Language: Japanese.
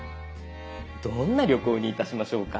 どんな旅行にいたしましょうか。